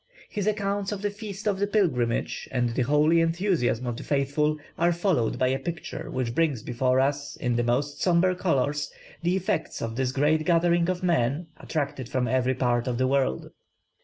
His accounts of the feast of the pilgrimage and the holy enthusiasm of the faithful, are followed by a picture which brings before us, in the most sombre colours, the effects of this great gathering of men, attracted from every part of the world.